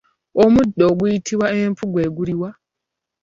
Omuddo oguyitibwa empu gwe guliwa?